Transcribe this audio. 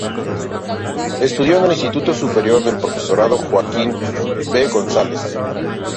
Estudió en el Instituto Superior del Profesorado Joaquín V. González.